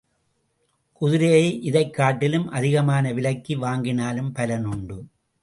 குதிரையை இதைக் காட்டிலும் அதிகமான விலைக்கு வாங்கினாலும் பலனுண்டு.